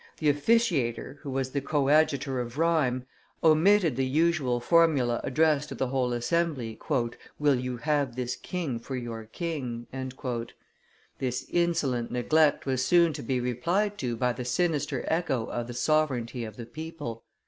the officiator, who was the coadjutor of Rheims, omitted the usual formula addressed to the whole assembly, "Will you have this king for your king?" This insolent neglect was soon to be replied to by the sinister echo of the sovereignty of the people.